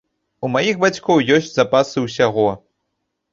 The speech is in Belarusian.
У маіх бацькоў ёсць запасы ўсяго!